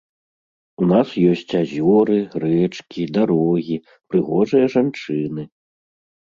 У нас ёсць азёры, рэчкі, дарогі, прыгожыя жанчыны.